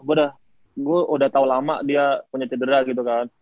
gue udah tau lama dia punya cedera gitu kan